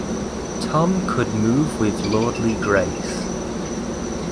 Tom could move with lordly grace.